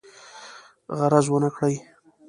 غرض ونه کړي.